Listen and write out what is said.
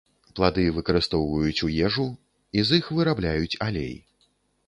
Плады выкарыстоўваюць у ежу, і з іх вырабляюць алей.